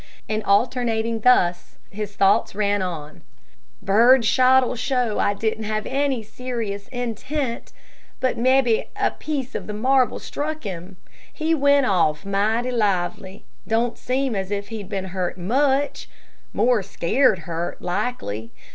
And alternating thus, his thoughts ran on: "Bird shot'll show I didn't have any serious _in_tent; but mebbe a piece of the marble struck him. He went off mighty lively; don't seem as if he'd been hurt much; more scared hurt, likely.